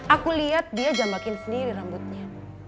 aku lihat dia jamakin sendiri rambutnya